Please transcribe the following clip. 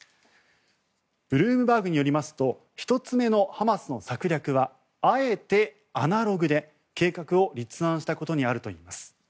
ブルームバーグによりますと１つ目のハマスの策略はあえてアナログで計画を立案したことにあるといいます。